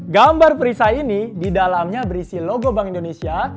gambar perisai ini di dalamnya berisi logo bank indonesia